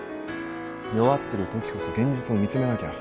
弱ってるときこそ現実を見つめなきゃ。